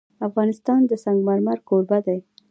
افغانستان د سنگ مرمر کوربه دی.